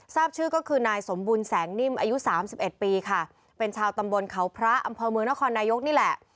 ทราบชื่อก็คือนายสมบุญแสงนิ่มอายุสามสิบเอ็ดปีค่ะเป็นชาวตำบลเขาพระอำเภอเมืองนครนายกนี่แหละ